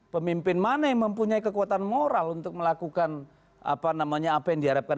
pemimpin mana yang mempunyai kekuatan moral untuk melakukan apa namanya apa yang diharapkan